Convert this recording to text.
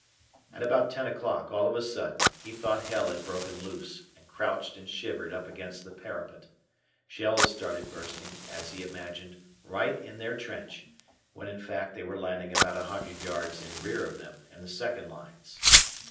At about ten o'clock, all of a sudden, he thought hell had broken loose, and crouched and shivered up against the parapet. Shells started bursting, as he imagined, right in their trench, when in fact they were landing about a hundred yards in rear of them, in the second lines.